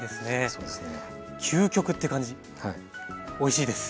そうですね